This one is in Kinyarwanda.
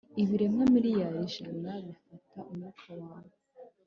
ibiremwa miliyari ijana bifata umwuka wawe